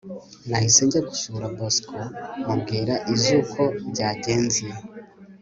nahise njya gusura bosco mubwira izo uko byagenze